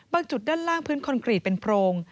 จุดด้านล่างพื้นคอนกรีตเป็นโพรง